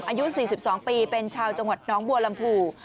อายุ๔๒ปีเป็นชาวจังหวัดน้องบัวลำพู